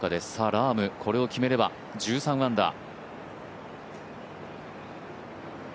ラームこれを決めれば１３アンダー。